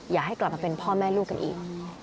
อยากให้กลับมาเป็นพ่อแม่ลูกกันอีก